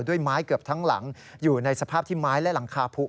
ด้วยไม้เกือบทั้งหลังอยู่ในสภาพที่ไม้และหลังคาพุ